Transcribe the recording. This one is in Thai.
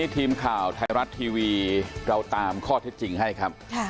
ทีมข่าวไทยรัฐทีวีเราตามข้อเท็จจริงให้ครับ